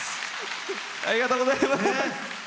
ありがとうございます。